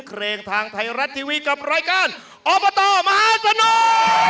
เพลงทางไทยรัฐทีวีกับรายการอบตมหาสนุก